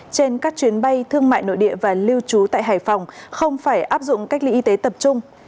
trên các chuyến bay thương mại nội địa và lưu trú tại hải phòng không phải áp dụng cách ly y tế tập trung